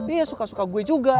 iya suka suka gue juga